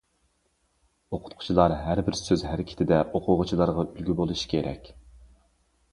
ئوقۇتقۇچىلار ھەر بىر سۆز- ھەرىكىتىدە ئوقۇغۇچىلارغا ئۈلگە بولۇشى كېرەك.